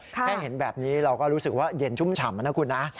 แค่เห็นแบบนี้เราก็รู้สึกว่าเย็นชุ่มฉ่ำนะคุณนะ